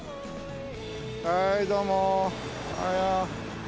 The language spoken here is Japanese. はいどうも。